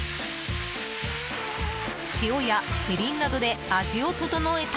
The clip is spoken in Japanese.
塩やみりんなどで味を調えた